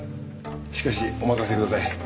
しかしお任せください。